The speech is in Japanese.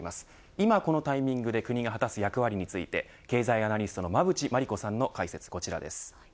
今、このタイミングで国が果たす役割について経済アナリストの馬渕磨理子さんの解説こちらです。